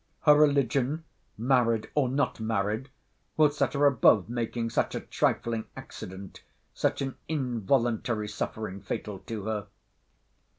Her religion, married, or not married, will set her above making such a trifling accident, such an involuntary suffering fatal to her.